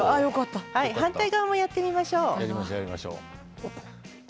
反対側もやってみましょう。